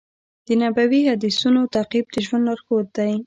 د نبوي حدیثونو تعقیب د ژوند لارښود دی.